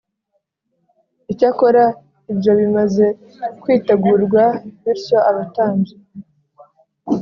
Icyakora ibyo bimaze kwitegurwa bityo abatambyi